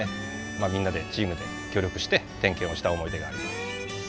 みんなでチームで協力して点検をした思い出があります。